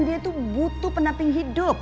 dia itu butuh pendamping hidup